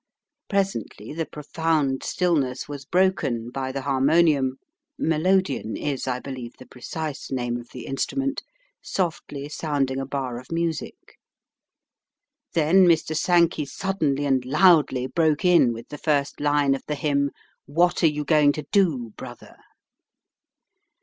Presently the profound stillness was broken by the harmonium "melodeon" is, I believe, the precise name of the instrument softly sounding a bar of music. Then Mr. Sankey suddenly and loudly broke in with the first line of the hymn, "What are you going to do, brother?"